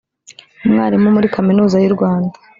Umwalimu muri kaminuza y’u Rwanda